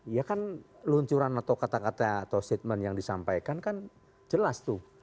ya kan luncuran atau kata kata atau statement yang disampaikan kan jelas tuh